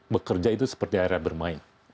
bekerja itu seperti area bermain